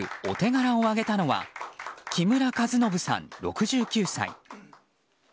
お手柄をあげたのは木村和信さん、６９歳。